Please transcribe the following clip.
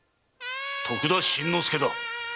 徳田新之助だ‼